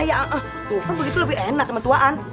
tuhan begitu lebih enak sama tuaan